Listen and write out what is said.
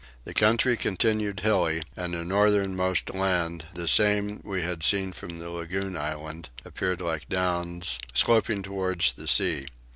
The country continued hilly and the northernmost land, the same we had seen from the lagoon island, appeared like downs, sloping towards the sea.